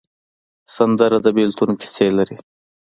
سندره د بېلتون کیسې لري